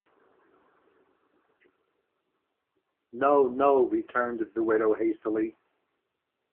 “No, no,” returned the widow hastily.